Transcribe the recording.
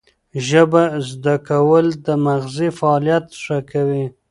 ژبه زده کول د مغزي فعالیت ښه کوي.